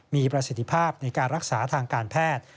มีประสิทธิภาพในการรักษาทางการแพทย์